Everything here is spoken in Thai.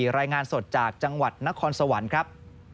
รายงานสดจากจังหวัดนครสวรรค์ครับ